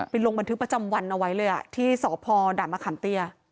ลงบันทึกประจำวันเอาไว้เลยที่สพด่านมะขามเตี้ย